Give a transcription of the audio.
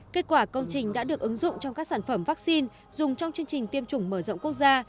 kết quả công trình đã được ứng dụng trong các sản phẩm vaccine dùng trong chương trình tiêm chủng mở rộng quốc gia